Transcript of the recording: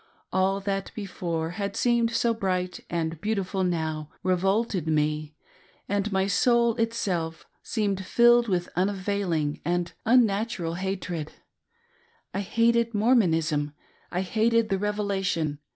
All that before had seemed so bright and beautiful now revolted me, and my soul itself seemed filled with unavailing and unnatural hatred. I hated Mormonism, I hated the Revelation.